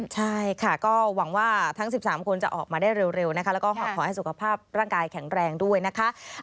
ใช่ค่ะก็หวังว่าทั้ง๑๓คนจะออกมาได้เร็วนะคะแล้วก็ขอให้สุขภาพร่างกายแข็งแรงด้วยนะคะ